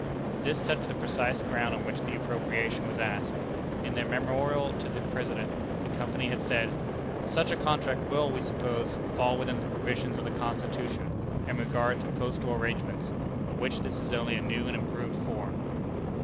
This touched the precise ground on which the appropriation was asked. In their memorial to the President, the Company had said: "Such a contract will, we suppose, fall within the provisions of the Constitution in regard to postal arrangements, of which this is only a new and improved form."